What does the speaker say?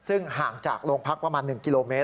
ซึ่งห่างจากโรงพักประมาณ๑กิโลเมตร